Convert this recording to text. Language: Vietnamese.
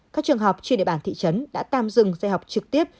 các trường hợp trên địa bàn thị trấn đã tam dừng dạy học trực tiếp